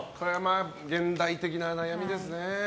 現代的な悩みですね。